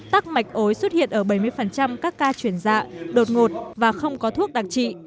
tắc mạch ối xuất hiện ở bảy mươi các ca chuyển dạ đột ngột và không có thuốc đặc trị